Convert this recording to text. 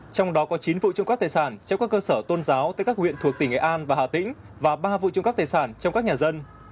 trong đó có chín vụ trộm cắp tài sản trong các cơ sở tôn giáo tại các huyện thuộc tỉnh nghệ an và hà tĩnh và ba vụ trộm cắp tài sản trong các nhà dân